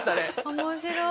面白い。